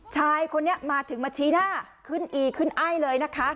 ชายคนนี้มาถึงมาชี้หน้าขึ้นอีขึ้นไอ้เลยนะคะ